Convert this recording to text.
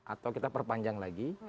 atau kita perpanjang lagi